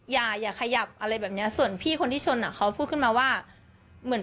อย่าอย่าขยับอะไรแบบเนี้ยส่วนพี่คนที่ชนอ่ะเขาพูดขึ้นมาว่าเหมือน